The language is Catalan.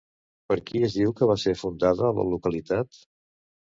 Per qui es diu que va ser fundada la localitat?